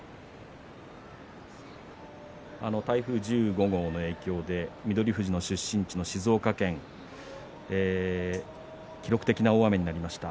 台風１５号の影響で翠富士が出身地の静岡県記録的な大雨になりました。